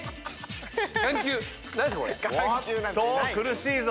苦しいぞ。